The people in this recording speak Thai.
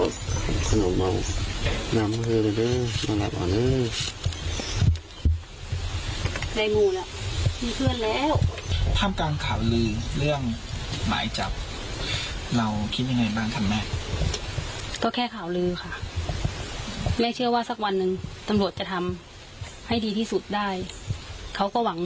สวัสดีครับสวัสดีครับ